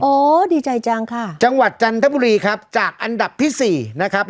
ดีใจจังค่ะจังหวัดจันทบุรีครับจากอันดับที่สี่นะครับ